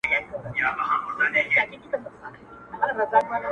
ه بيا دي ږغ کي يو عالم غمونه اورم،